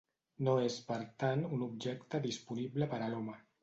No és per tant un objecte disponible per a l'home.